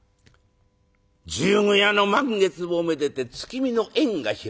十五夜の満月をめでて月見の宴が開かれます。